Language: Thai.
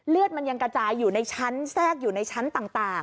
เลือดมันยังกระจายอยู่ในชั้นแทรกอยู่ในชั้นต่าง